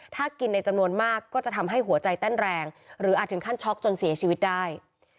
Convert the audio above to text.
ถ้ากินในจำนวนมากก็จะทำให้หัวใจเต้นแรงหรืออาจถึงขั้นช็อกจนเสียชีวิตได้